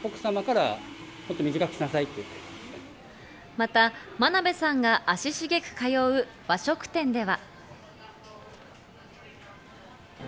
また真鍋さんが足しげく通う和食店では。